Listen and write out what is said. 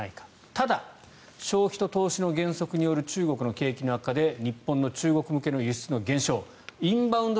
ただ、消費と投資の減速による中国の景気の悪化で日本の中国向けの輸出の減少インバウンド